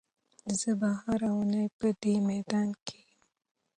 زه به هره اونۍ په دې میدان کې یم.